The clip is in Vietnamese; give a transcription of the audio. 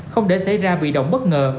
không để xảy ra bị động bất ngờ